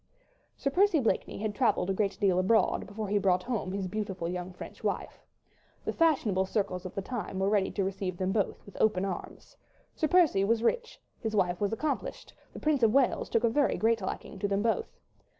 Sir Percy Blakeney had travelled a great deal abroad, before he brought home his beautiful, young, French wife. The fashionable circles of the time were ready to receive them both with open arms. Sir Percy was rich, his wife was accomplished, the Prince of Wales took a very great liking to them both.